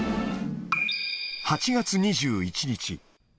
８月２１日。